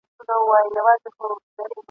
د اجل د ساقي ږغ ژوندون ته دام وو !.